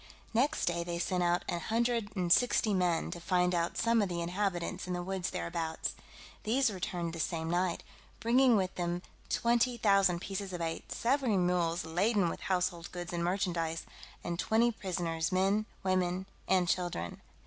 Next day they sent out an hundred and sixty men to find out some of the inhabitants in the woods thereabouts; these returned the same night, bringing with them 20,000 pieces of eight, several mules laden with household goods and merchandise, and twenty prisoners, men, women, and children.